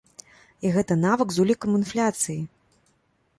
І гэта нават з улікам інфляцыі!